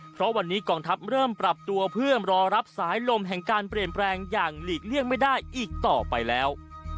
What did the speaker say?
เพราะวันนี้กองทัพเริ่มปรับตัวเพื่อรอรับสายลมแห่งการเปลี่ยนแปลงอย่างหลีกเลี่ยงไม่ได้อีกต่อไปแล้ว